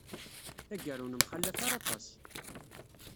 Tagara, ur nemxallaf ara aṭas.